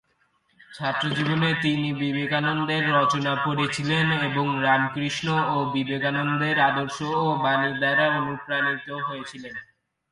ছাত্রজীবনে তিনি বিবেকানন্দের রচনা পড়েছিলেন এবং রামকৃষ্ণ ও বিবেকানন্দের আদর্শ ও বাণী দ্বারা অনুপ্রাণিত হয়েছিলেন।